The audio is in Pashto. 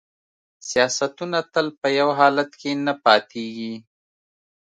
سیاستونه تل په یو حالت کې نه پاتیږي